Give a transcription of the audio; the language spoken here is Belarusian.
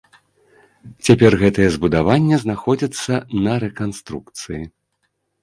Цяпер гэтае збудаванне знаходзіцца на рэканструкцыі.